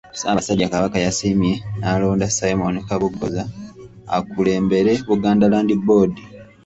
Ssaabasajja Kabaka yasiimye n’alonda Simon Kabogoza akulembere Buganda land Board.